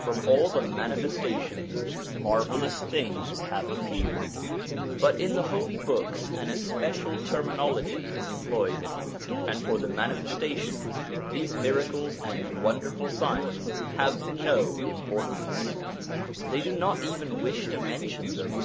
From all the Manifestations marvellous things have appeared. But in the Holy Books an especial terminology is employed ; and for the Manifestations these miracles and wonderful signs have no importance ; they do not even wish to mention them.